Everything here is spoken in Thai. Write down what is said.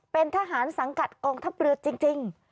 เป็นทหารสังกัดกองทัพเรือจริง